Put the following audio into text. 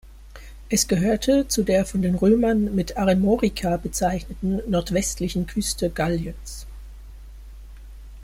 Es gehörte zu der von den Römern mit Aremorica bezeichneten nordwestlichen Küste Galliens.